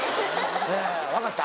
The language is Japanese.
分かった？